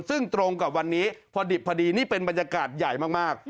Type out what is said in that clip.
ซึ่งตรงกับวันนี้พอดิบพอดีนี่เป็นบรรยากาศใหญ่มาก